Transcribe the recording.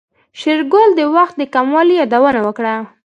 شېرګل د وخت د کموالي يادونه وکړه.